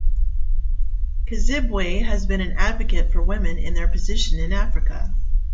Kazibwe has been an advocate for women in their position in Africa.